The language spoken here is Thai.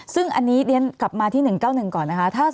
ซึ่งอันนี้เรียนกลับมาที่๑๙๑ก่อนนะคะ